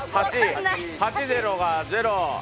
８×０が０。